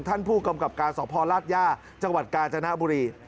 ท่านผู้กำกับการสพลาดย่าจังหวัดกาญจนบุรี